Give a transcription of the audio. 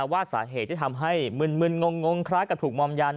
ว่าสาเหตุที่ทำให้มึนงงคล้ายกับถูกมอมยา